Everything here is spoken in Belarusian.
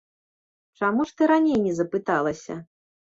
Чаму ж ты раней не запыталася?